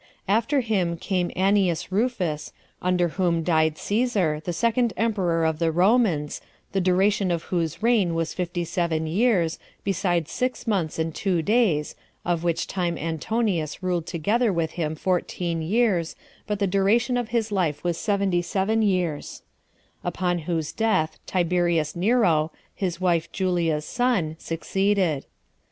After him came Annius Rufus, under whom died Cæsar, the second emperor of the Romans, the duration of whose reign was fifty seven years, besides six months and two days [of which time Antonius ruled together with him fourteen years; but the duration of his life was seventy seven years]; upon whose death Tiberius Nero, his wife Julia's son, succeeded.